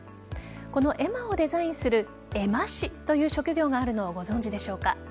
この絵馬をデザインする絵馬師という職業があるのをご存じでしょうか。